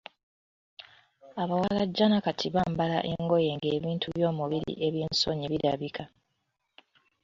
Abawalajjana kati bambala engoye ng‘ebintu by'omubiri eby'esonyi bilabika.